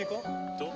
どう？